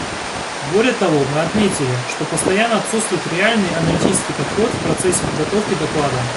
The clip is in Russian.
Более того мы отметили, что постоянно отсутствует реальный аналитический подход в процессе подготовки доклада.